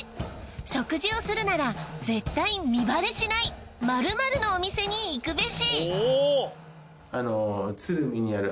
食事をするなら絶対身バレしない○○のお店に行くべし！